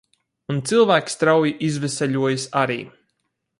Un cilvēki strauji izveseļojas arī.